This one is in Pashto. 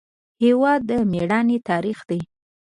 هېواد د میړانې تاریخ دی.